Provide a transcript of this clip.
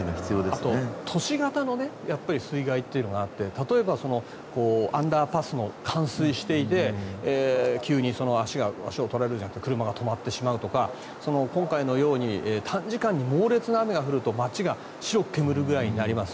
あと都市型の水害っていうのがあって例えば、アンダーパスが冠水していて急に足を取られるというか車が止まってしまうとか今回のように短時間に猛烈な雨が降ると街が白く煙るくらいになります。